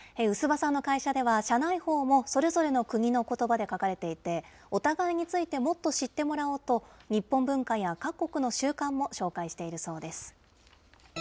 薄葉さんの会社では、社内報もそれぞれの国のことばで書かれていて、お互いについてもっと知ってもらおうと、日本文化や各国の習慣も紹介しているそうです。